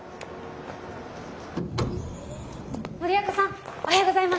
森若さんおはようございます。